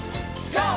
ＧＯ！